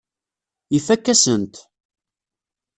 Ifakk-asen-t.